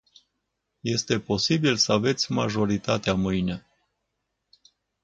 Este posibil să aveți majoritatea mâine.